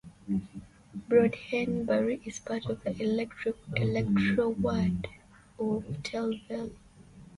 "Broadhembury" is part of the electoral ward of Tale Vale.